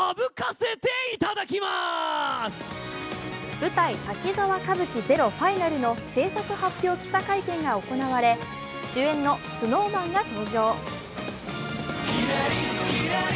舞台「滝沢歌舞伎ＺＥＲＯＦＩＮＡＬ」の製作発表記者会見が行われ、主演のＳｎｏｗＭａｎが登場。